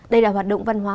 đây là hoạt động văn hóa